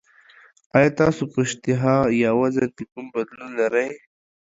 ایا تاسو په اشتها یا وزن کې کوم بدلون لرئ؟